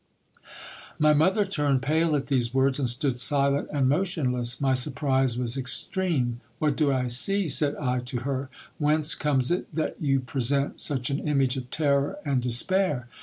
My mother turned pale at these words, and stood silent and motionless. My surprise was extreme. What do I see ? said I to her : whence comes it that you present such an image of terror and despair